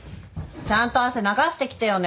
ちゃんと汗流してきてよね。